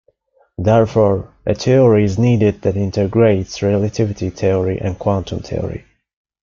Therefore, a theory is needed that integrates relativity theory and quantum theory.